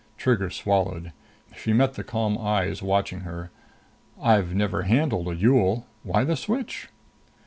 Trigger swallowed. She met the calm eyes watching her. "I've never handled a Yool. Why the switch?"